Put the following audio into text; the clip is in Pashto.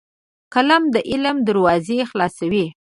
قلم د علم دروازې خلاصوي